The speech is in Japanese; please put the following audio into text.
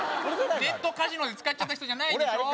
ネットカジノで使っちゃった人じゃない俺